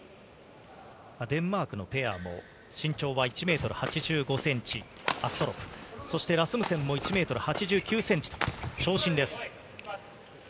デンマークのペアも身長は１ｍ８５ｃｍアストロプ、そしてラスムセンも１ｍ８９ｃｍと長身です。